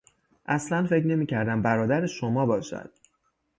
اصلا فکر نمیکردم برادر شما باشد!